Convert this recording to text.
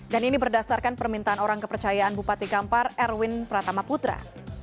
dan ini berdasarkan permintaan orang kepercayaan bupati kampar erwin pratamaputra